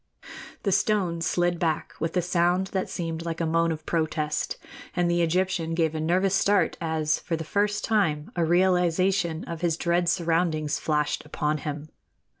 The stone slid back with a sound that seemed like a moan of protest, and the Egyptian gave a nervous start as, for the first time, a realization of his dread surroundings flashed upon him.